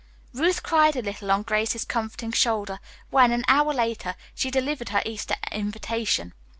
Ruth cried a little on Grace's comforting shoulder when, an hour later, she delivered her Easter invitation.